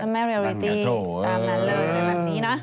ใช่ไหมเรียลอิตี้ตามนั้นเลยแบบนี้นะ